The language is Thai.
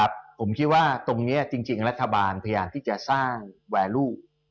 ผมคิดว่าตรงนี้จริงรัฐบาลพยายามที่จะสร้างแวร์รูป